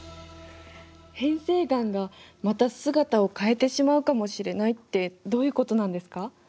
変成岩がまた姿を変えてしまうかもしれないってどういうことなんですか？